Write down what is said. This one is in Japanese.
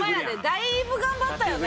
だいぶ頑張ったよね。